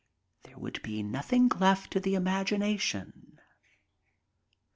There would be nothing left to the imagination.